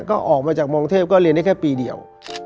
ก็ออกมาจากมองเทพก็เรียนได้แค่ปีเดียว